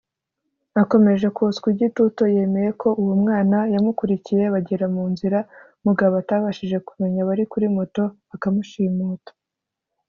Akomeje kotswa igitutu yemeye ko uwo mwana yamukurikiye bagera mu nziza umugabo atabashije kumenya wari kuri moto akamushimuta